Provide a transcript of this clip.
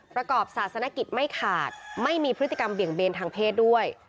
ประกอบศาสนกิจไม่ขาดไม่มีพฤติกรรมเบี่ยงเบนทางเพศด้วย